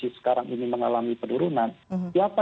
student warga berpengaruh untuk menghargai posisi kita